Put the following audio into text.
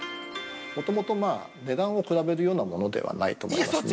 もともと、値段を比べるようなものではないと思いますね。